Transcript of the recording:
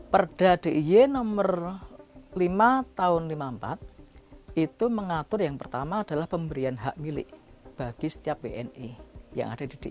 perda d i y nomor lima tahun seribu sembilan ratus lima puluh empat itu mengatur yang pertama adalah pemberian hak milik bagi setiap wni yang ada di dki